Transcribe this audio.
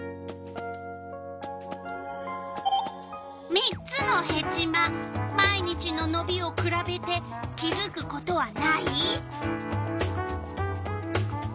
３つのヘチマ毎日ののびをくらべて気づくことはない？